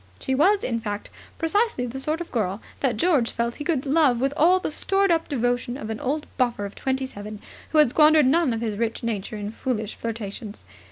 She was, in fact, precisely the sort of girl that George felt he could love with all the stored up devotion of an old buffer of twenty seven who had squandered none of his rich nature in foolish flirtations.